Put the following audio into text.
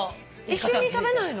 一緒に食べないの？